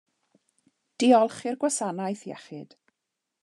Diolch i'r gwasanaeth iechyd.